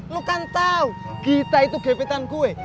lo kan tau gita itu gepetan gue